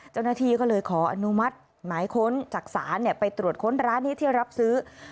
เจ้าหน้าที่ก็เลยขออนุมัติหมายค้นจากศาลไปตรวจค้นร้านนี้ที่รับซื้อ